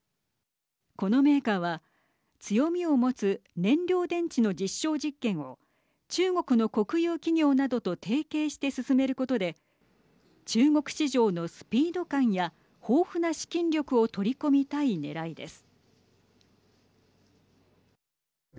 このメーカーは強みを持つ燃料電池の実証実験を中国の国有企業などと提携して進めることで中国市場のスピード感や豊富な資金力を取り込みたいねらいです。